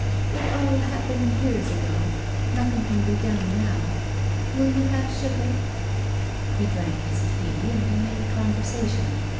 " It all happened years ago. Nothing can be done now. Will you have sugar ?" He drank his tea and made conversation.